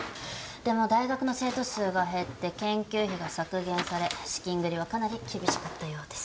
でも大学の生徒数が減って研究費が削減され資金繰りはかなり厳しかったようです。